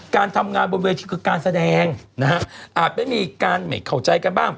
การทำงานบนเวทีคือการแสดงนะฮะอาจไม่มีการไม่เข้าใจกันบ้าง